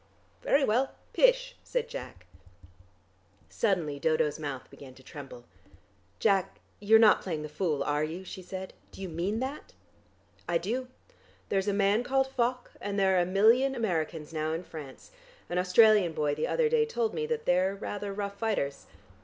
"Very well, pish," said Jack. Suddenly Dodo's mouth began to tremble. "Jack, you're not playing the fool, are you?" she said. "Do you mean that?" "I do. There's a man called Foch. And there are a million Americans now in France. An Australian boy the other day told me that they are rather rough fighters."